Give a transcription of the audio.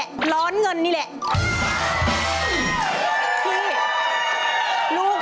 สวัสดีครับ